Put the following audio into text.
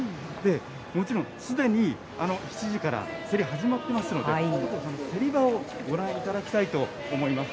もちろんすでに７時から競り、始まっていますので、競り場をご覧いただきたいと思います。